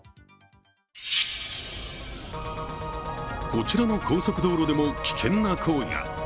こちらの高速道路でも危険な行為が。